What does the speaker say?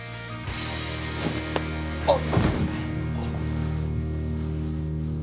あっ！